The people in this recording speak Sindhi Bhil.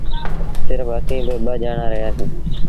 سرڦ اَسيٚݩ ٻآ ڄآڻآن رهيآ سيٚݩ۔